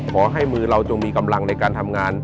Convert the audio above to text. ขอให้มือเราจงมีกำลังในการทำงาน